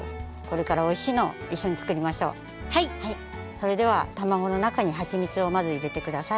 それではたまごのなかにはちみつをまずいれてください。